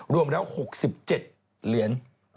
รวมแล้ว๖๗เหรียญ